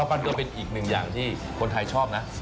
มันก็เป็นอีกหนึ่งอย่างที่คนไทยชอบนะ